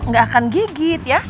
nggak akan gigit ya